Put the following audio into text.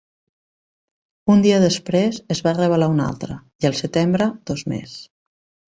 Un dia després, es va revelar un altre, i al setembre dos més.